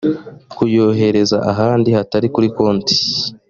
kuyohereza ahandi hatari kuri konti